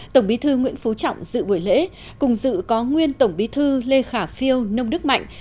tổng bí thư nguyễn phú trọng dự buổi lễ cùng dự có nguyên tổng bí thư lê khả phiêu nông đức mạnh